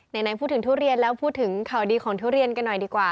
ไหนพูดถึงทุเรียนแล้วพูดถึงข่าวดีของทุเรียนกันหน่อยดีกว่า